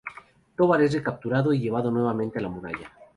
Tovar es recapturado y llevado nuevamente a la muralla.